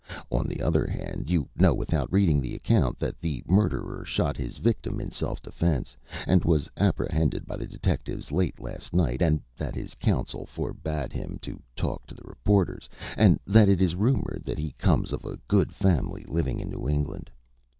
On the other hand, you know without reading the account that the murderer shot his victim in self defence, and was apprehended by the detectives late last night; that his counsel forbid him to talk to the reporters, and that it is rumored that he comes of a good family living in New England.